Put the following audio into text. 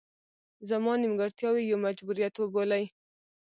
زما نیمګړتیاوې یو مجبوریت وبولي.